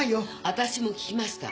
私も聞きました。